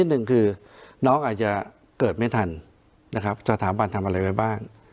หนึ่งคือน้องอาจจะเกิดไม่ทันนะครับสถาบันทำอะไรไว้บ้าง